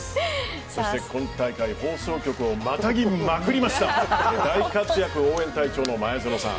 そして今大会、放送局をまたぎまくりました大活躍、応援隊長の前園さん。